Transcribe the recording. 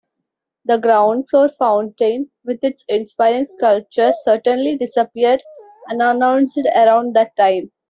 The ground-floor fountain, with its inspiring sculpture, certainly disappeared unannounced around that time.